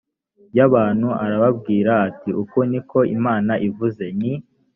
y abantu arababwira ati uku ni ko imana ivuze ni